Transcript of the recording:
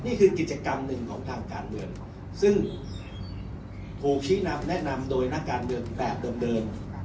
นี่คือกิจกรรมหนึ่งของทางการเมืองซึ่งถูกชี้นำแนะนำโดยนักการเมืองแบบเดิม